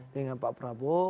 dengan pak prabowo